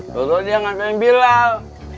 terus dia gak tanya pilal